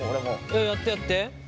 えっやってやって。